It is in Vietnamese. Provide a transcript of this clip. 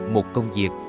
một công việc